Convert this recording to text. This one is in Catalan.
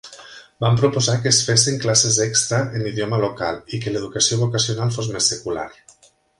Van proposar que es fessin classes extra en l'idioma local i que l'educació vocacional fos més secular.